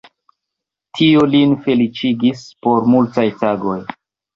Tio lin feliĉigis por multaj tagoj.